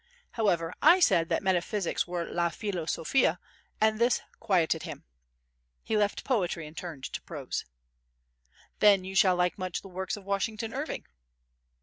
However, I said that metaphysics were la filosofia and this quieted him. He left poetry and turned to prose. "Then you shall like much the works of Washington Irving?"